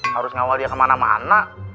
harus ngawal dia kemana mana